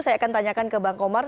saya akan tanyakan ke bang komar